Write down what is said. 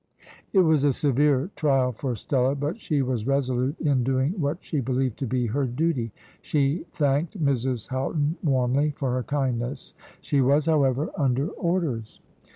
It was a severe trial for Stella, but she was resolute in doing what she believed to be her duty. She thanked Mrs Houghton warmly for her kindness. She was, however, under orders.